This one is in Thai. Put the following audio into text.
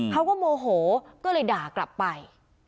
เขาก็โมโหก็เลยด่ากลับไป